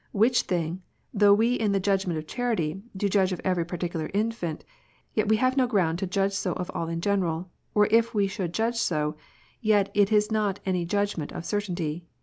Which thing, though we in the judgment of charity do judge of every particular infant, yet we have no ground to judge so of all in general : or if we should judge so, yet is it not any judgment of certainty.